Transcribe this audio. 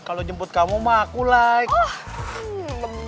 kalau jemput kamu mah aku lagi